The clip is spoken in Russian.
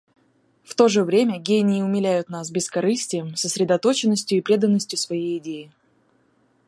В то же время гении умиляют нас бескорыстием, сосредоточенностью и преданностью своей идее.